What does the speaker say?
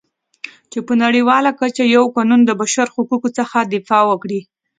چې په نړیواله کچه یو قانون د بشرحقوقو څخه دفاع وکړي.